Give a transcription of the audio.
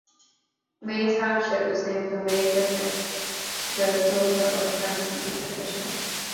May Township was named for May Griffith, the daughter of a county official.